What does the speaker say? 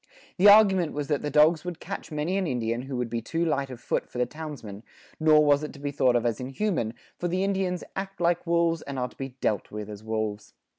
The argument was that the dogs would catch many an Indian who would be too light of foot for the townsmen, nor was it to be thought of as inhuman; for the Indians "act like wolves and are to be dealt with as wolves."